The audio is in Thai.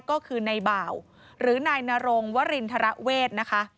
ก็คือนายบ่าวหรือนายนรงวรินทรเวทนะคะ